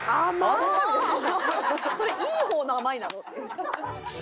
それいい方の甘いなの？っていう。